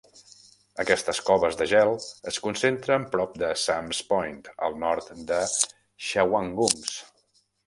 Aquestes coves de gel es concentren prop de Sam"s Point al nord de Shawangunks.